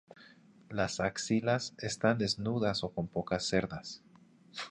Las axilas están desnudas o con pocas cerdas.